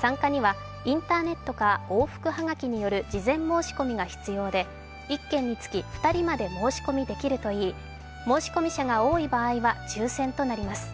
参加にはインターネットか往復はがきによる事前申し込みが必要で１件につき２人まで申し込みできるといい申込者が多い場合は抽選となります。